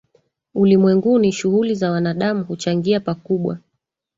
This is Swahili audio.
ulimwenguni shughuli za wanadamu huchangia pakubwa